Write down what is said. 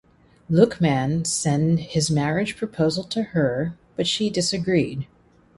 Luqman send his marriage proposal to her but she disagreed.